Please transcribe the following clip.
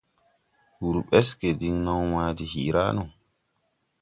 Wǔr ɓɛsge diŋ naw ma de hiiraʼ no.